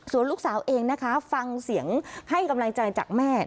ส่วนลูกสาวเองนะคะฟังเสียงให้กำลังใจจากแม่